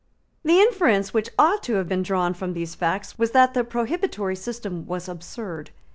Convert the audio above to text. The inference which ought to have been drawn from these facts was that the prohibitory system was absurd.